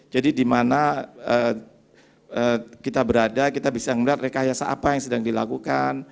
jadi di mana kita berada kita bisa melihat rekayasa apa yang sedang dilakukan